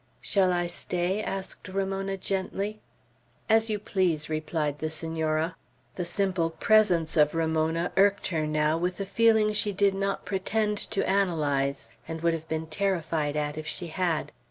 "Shall I stay?" asked Ramona, gently. "As you please," replied the Senora. The simple presence of Ramona irked her now with a feeling she did not pretend to analyze, and would have been terrified at if she had.